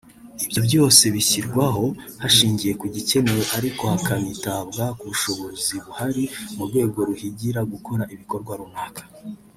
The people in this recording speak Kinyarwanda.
Ibyo byose bishyirwaho hashingiye ku gikenewe ariko hakanitabwa ku bushobozi buhari mu rwego ruhigira gukora ibikorwa runaka